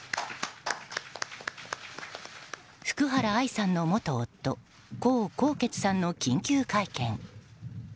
福原愛さんの元夫江宏傑さんの緊急会見。